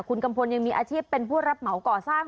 คุณก่ำพลยังมีอาชีพเป็นรับเหมาก่อก่อสร้าง